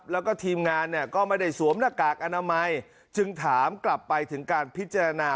แล้วก็ทีมงานเนี่ยก็ไม่ได้สวมหน้ากากอนามัยจึงถามกลับไปถึงการพิจารณา